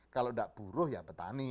kalau tidak buruh ya petani